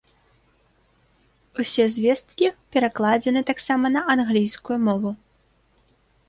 Усе звесткі перакладзены таксама на англійскую мову.